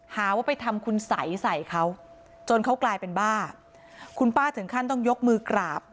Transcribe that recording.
หาว่าไปทำคุณสัยใส่เขาจนเขากลายเป็นบ้าคุณป้าถึงขั้นต้องยกมือกราบ